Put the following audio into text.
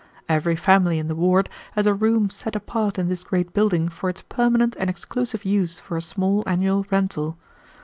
"Every family in the ward has a room set apart in this great building for its permanent and exclusive use for a small annual rental.